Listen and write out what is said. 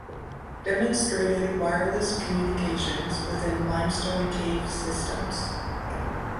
Demonstrated wireless communications within limestone cave system.